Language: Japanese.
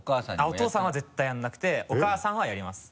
お父さんは絶対やらなくてお母さんはやります。